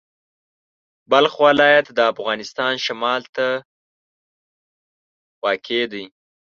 بلخ ولایت د افغانستان شمال ته واقع دی.